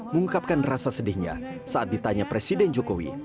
mengungkapkan rasa sedihnya saat ditanya presiden jokowi